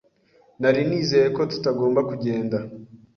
Nari nizeye ko tutagomba kugenda.